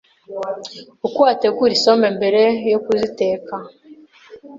uko wategura isombe mbere yo kuziteka